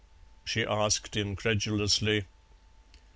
she asked incredulously.